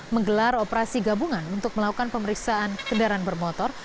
menggelar operasi gabungan untuk melakukan pemeriksaan kendaraan bermotor